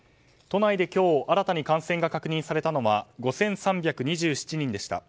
都内で今日新たに感染が確認されたのは５３２７人でした。